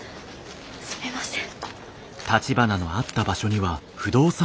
すみません。